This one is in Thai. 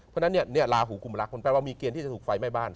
เพราะฉะนั้นเนี่ยลาหูกุมรักมันแปลว่ามีเกณฑ์ที่จะถูกไฟไหม้บ้าน